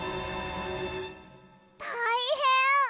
たいへん！